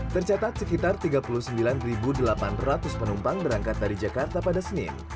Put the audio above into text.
tercatat sekitar tiga puluh sembilan delapan ratus penumpang berangkat dari jakarta pada senin